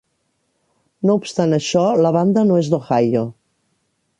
No obstant això, la banda no és d'Ohio.